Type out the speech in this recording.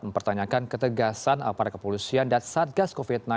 mempertanyakan ketegasan apalagi kepolusian dan satgas covid sembilan belas